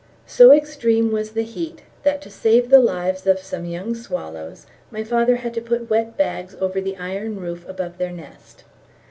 So extreme was the heat that to save the lives of some young swallows my father had to put wet bags over the iron roof above their nest.